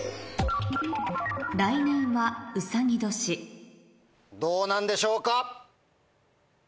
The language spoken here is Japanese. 来年はうさぎ年どうなんでしょうか？